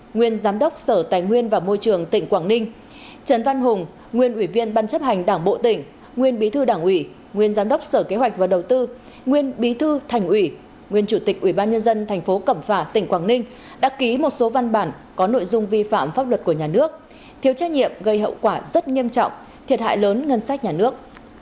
nguyên giám đốc sở tài nguyên và môi trường tỉnh quảng ninh trấn văn hùng nguyên ủy viên ban chấp hành đảng bộ tỉnh nguyên bí thư đảng ủy nguyên giám đốc sở kế hoạch và đầu tư nguyên bí thư thành ủy nguyên chủ tịch ủy ban nhân dân thành phố cẩm phà tỉnh quảng ninh đã ký một số văn bản có nội dung vi phạm pháp luật của nhà nước thiếu trách nhiệm gây hậu quả rất nghiêm trọng thiệt hại lớn ngân sách nhà nước